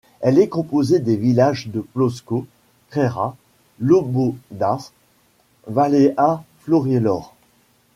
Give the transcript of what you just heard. Elle est composée des villages de Ploscoș, Crairât, Lobodaș, Valea Florilor.